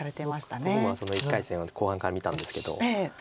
僕もその１回戦は後半から見たんですけど。